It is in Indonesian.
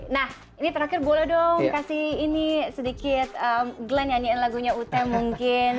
nah ini terakhir boleh dong kasih ini sedikit glenn nyanyiin lagunya ut mungkin